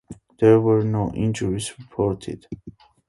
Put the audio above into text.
There were no injuries reported.